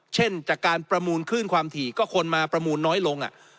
เช่นจากการประมูลคลื่นความถี่ก็คนมาประมูลน้อยลง